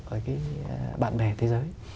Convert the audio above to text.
ở bạn bè thế giới